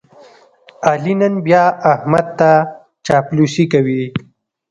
علي نن بیا احمد ته چاپلوسي کوي.